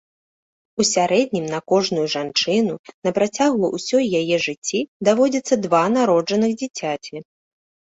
У сярэднім на кожную жанчыну на працягу ўсёй яе жыцці даводзіцца два народжаных дзіцяці.